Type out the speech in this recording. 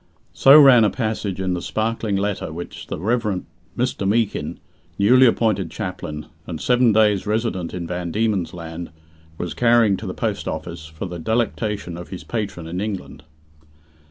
So ran a passage in the sparkling letter which the Rev. Mr. Meekin, newly appointed chaplain, and seven days' resident in Van Diemen's Land, was carrying to the post office, for the delectation of his patron in England.